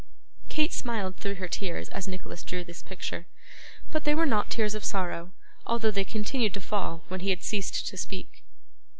Kate smiled through her tears as Nicholas drew this picture; but they were not tears of sorrow, although they continued to fall when he had ceased to speak.